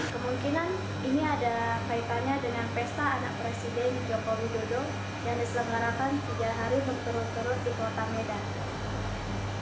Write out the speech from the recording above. kemungkinan ini ada kaitannya dengan pesta anak presiden joko widodo yang diselenggarakan tiga hari berturut turut di kota medan